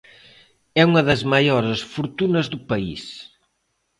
É unha das maiores fortunas do país.